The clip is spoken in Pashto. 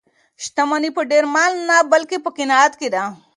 شتمني په ډېر مال نه بلکې په قناعت کې ده.